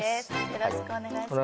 よろしくお願いします